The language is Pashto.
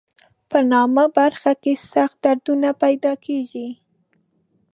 په نامه برخه کې سخت دردونه پیدا کېږي.